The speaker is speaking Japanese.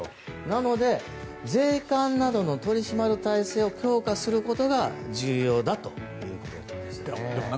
なので、税関などの取り締まる体制を強化することが重要だということです。